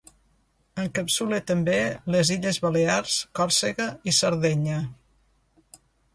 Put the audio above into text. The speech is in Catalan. Encapsula també les Illes Balears, Còrsega i Sardenya.